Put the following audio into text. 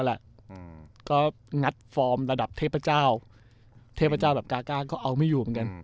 อ่าอืมก็กระดับเทพเจ้าเทพเจ้าแบบกาก้าก็เอาไม่อยู่เหมือนกัน